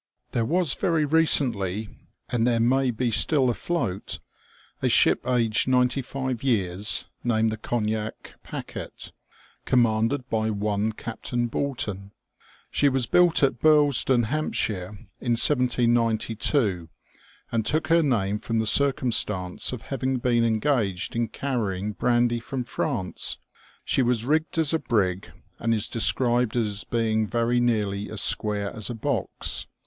There was very recently, and there may be still afloat, a ship aged ninety five years, named the Cognac Packet, commanded by one Captain Bulton. She was built at Bursledon, Hants, in 1792, and took her name from the circumstance of having been engaged in carrying brandy from France. She was rigged as a brig, and is described as being very nearly as square as a box.